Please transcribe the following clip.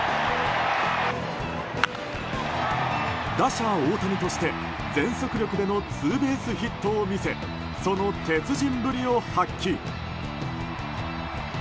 打者・大谷として、全速力でのツーベースヒットを見せその鉄人ぶりを発揮。